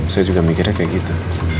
saya juga mikirnya kayak gitu